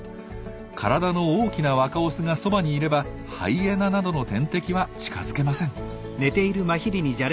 体の大きな若オスがそばにいればハイエナなどの天敵は近づけません。